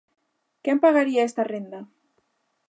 ¿Quen pagaría esta renda?